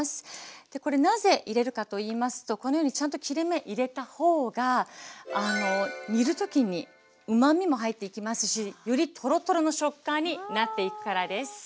これなぜ入れるかといいますとこのようにちゃんと切れ目入れたほうが煮る時にうまみも入っていきますしよりトロトロの食感になっていくからです。